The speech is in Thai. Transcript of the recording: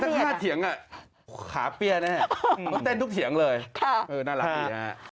ผมก็จะไปสักท่าเถียงขาเปี้ยนแหละก็เต้นทุกเถียงเลยน่ารักดีนะครับ